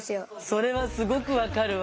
それはすごくわかるわ。